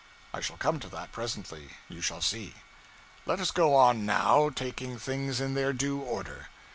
I shall come to that, presently you shall see. Let us go on, now, taking things in their due order.